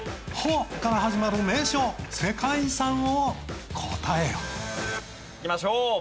「ホ」から始まる名所・世界遺産を答えよ。いきましょう。